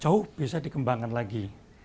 jauh bisa dikembangkan lagi